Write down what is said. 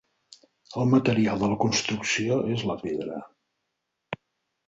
El material de la construcció és la pedra.